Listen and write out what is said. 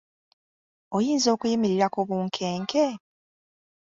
Oyinza okuyimirira ku bunkenke?